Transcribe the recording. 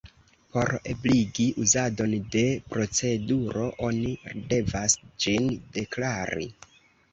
Por ebligi uzadon de proceduro oni devas ĝin "deklari".